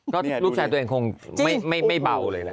ก็ลูกชายตัวเองคงไม่เบาเลยแหละ